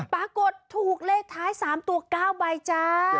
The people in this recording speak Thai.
ปรากฏถูกเลขท้าย๓ตัว๙ใบจ้า